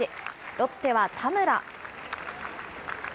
ロッテは田村。